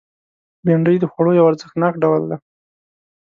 بېنډۍ د خوړو یو ارزښتناک ډول دی